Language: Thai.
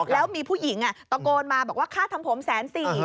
แล้วมีผู้หญิงตะโกนมาบอกว่าค่าทำผมแสนสี่